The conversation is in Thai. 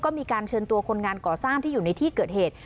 ก็มีการเชิญตัวคนงานก่อสร้างที่อยู่ในที่เกิดเหตุ